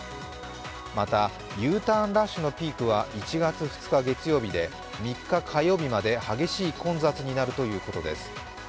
また、Ｕターンラッシュのピークは１月２日月曜日で３日火曜日まで激しい混雑になるということです